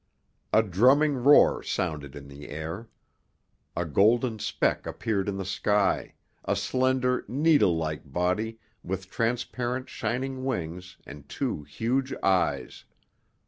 A drumming roar sounded in the air. A golden speck appeared in the sky, a slender, needle like body with transparent, shining wings and two huge eyes.